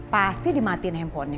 pasti dimatiin handphonenya